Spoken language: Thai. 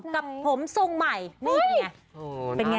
กับผมทรงใหม่นี่เป็นไง